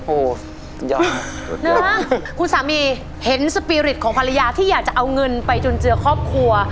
โอ้โหยากนะคุณสามีเห็นสปีริตของภรรยาที่อยากจะเอาเงินไปจุนเจือครอบครัว